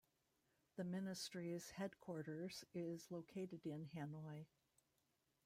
The ministry's headquarters is located in Hanoi.